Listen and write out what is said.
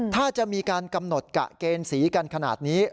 ถ้าจะมีการกำหนดกะเกณฑ์สีกันขนาดนี้